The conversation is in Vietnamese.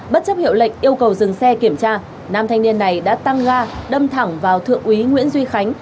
bất chấp hiệu lệnh yêu cầu dừng xe kiểm tra nam thanh niên này đã tăng ga đâm thẳng vào thượng úy nguyễn duy khánh